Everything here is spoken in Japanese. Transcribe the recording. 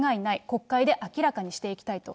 国会で明らかにしていきたいと。